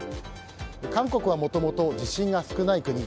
韓国はもともと地震が少ない国。